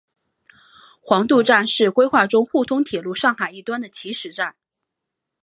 黄渡站是规划中沪通铁路上海一端的起始站。